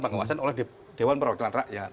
pengawasan oleh dewan perwakilan rakyat